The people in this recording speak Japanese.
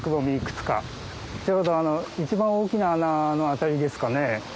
ちょうどあの一番大きな穴の辺りですかね。